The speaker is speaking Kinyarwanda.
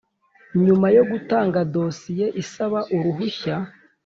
Nyuma yo gutanga dosiye isaba uruhushya